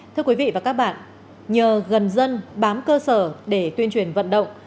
thưa quý vị và các bạn nhờ gần dân bám cơ sở để tuyên truyền vận động